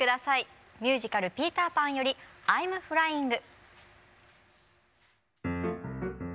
ミュージカル「ピーター・パン」より「アイム・フライング」。